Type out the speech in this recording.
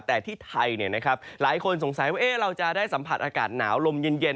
แต่ที่ไทยหลายคนสงสัยว่าเราจะได้สัมผัสอากาศหนาวลมเย็น